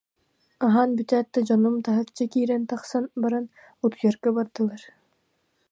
Аһаан бүтээт да, дьонум таһырдьа киирэн-тахсан баран, утуйарга бардылар